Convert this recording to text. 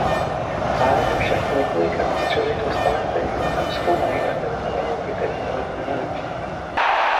V závěru však několika výstřely dostanete i obrovskou a nejlépe vybavenou bitevní loď mimozemšťanů.